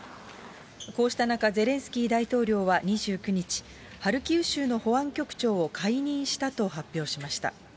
こうした中、ゼレンスキー大統領は２９日、ハルキウ州の保安局長を解任したと発表しました。